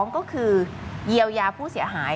ก็คือเยียวยาผู้เสียหาย